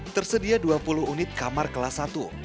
tersedia dua puluh unit kamar kelas satu